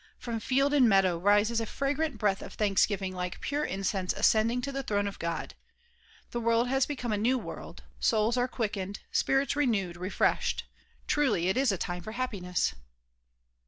From field and meadow rises a fragrant breath of thanksgiving like pure incense ascending to the throne of God. The world has becoyne a new world; souls are quickened, spirits renewed, refreshed. Truly it is a time for happiness.